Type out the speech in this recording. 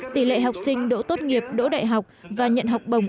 tỷ lệ học sinh đỗ tốt nghiệp đỗ đại học và nhận học bổng